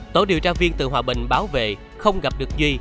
tổ điều tra viên từ hòa bình báo về không gặp được duy